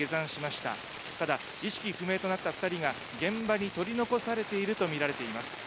ただ意識不明となった２人が、現場に取り残されていると見られています。